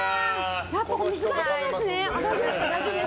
やっぱ難しいんですね。